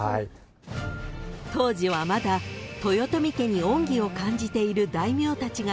［当時はまだ豊臣家に恩義を感じている］